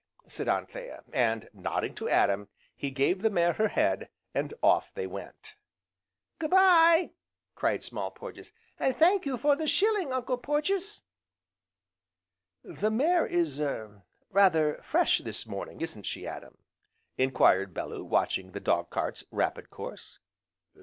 '" said Anthea, and, nodding to Adam, he gave the mare her head, and off they went. "Good bye!" cried Small Porges, "an' thank you for the shilling Uncle Porges." "The mare is er rather fresh this morning, isn't she, Adam?" enquired Bellew, watching the dog cart's rapid course.